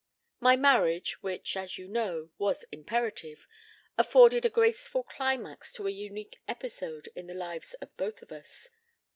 My marriage, which, as you know, was imperative, afforded a graceful climax to a unique episode in the lives of both of us.